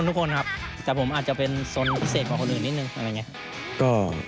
แต่ผมอาจจะเป็นซนพิเศษกว่าคนอื่นนิดนึงอะไรอย่างนี้